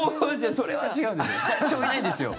それは違うんですよ。